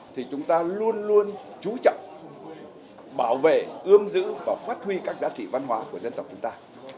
thì chúng ta luôn luôn chú trọng bảo vệ ươm giữ và phát huy các giá trị văn hóa của dân tộc chúng ta